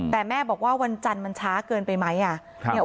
แต่แม่บอกว่าวันจันทร์มันช้าเกินไปไหม